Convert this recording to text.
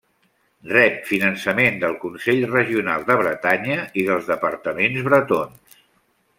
Rep finançament del Consell Regional de Bretanya i dels departaments bretons.